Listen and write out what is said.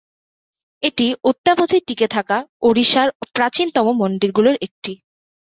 এটি অদ্যাবধি টিকে থাকা ওড়িশার প্রাচীনতম মন্দিরগুলির একটি।